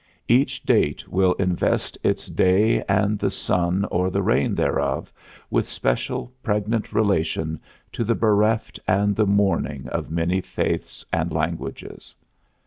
Each date will invest its day and the sun or the rain thereof with special, pregnant relation to the bereft and the mourning of many faiths and languages.